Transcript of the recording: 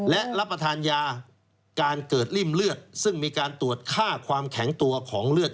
และรับประทานยาการเกิดริ่มเลือดซึ่งมีการตรวจค่าความแข็งตัวของเลือด